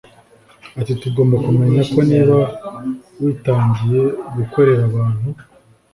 Ati “Tugomba kumenya ko niba witangiye gukorera abantu